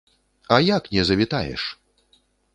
А як не завітаеш!